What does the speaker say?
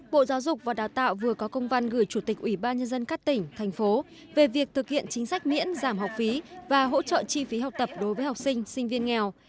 bộ giáo dục và đào tạo vừa có công văn gửi chủ tịch ủy ban nhân dân các tỉnh thành phố về việc thực hiện chính sách miễn giảm học phí và hỗ trợ chi phí học tập đối với học sinh sinh viên nghèo